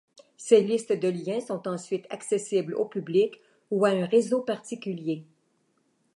Ces listes de liens sont ensuite accessibles au public ou à un réseau particulier.